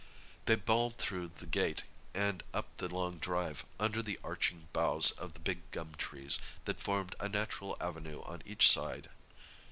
They bowled through the gate and up the long drive, under the arching boughs of the big gum trees, that formed a natural avenue on each side.